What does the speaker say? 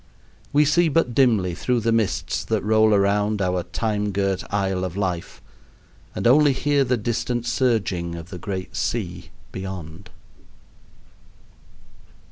We see but dimly through the mists that roll around our time girt isle of life, and only hear the distant surging of the great sea beyond.